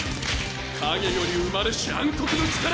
影より生まれし暗黒の力！